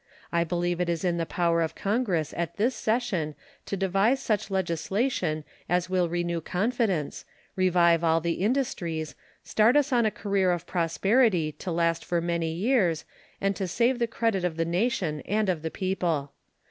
I believe it is in the power of Congress at this session to devise such legislation as will renew confidence, revive all the industries, start us on a career of prosperity to last for many years and to save the credit of the nation and of the people.